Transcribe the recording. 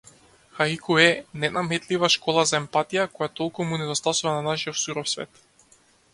Хаику е ненаметлива школа за емпатија, која толку му недостасува на нашиов суров свет.